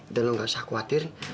dan lo gak usah khawatir